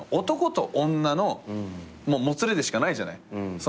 男と女のもつれでしかないじゃない。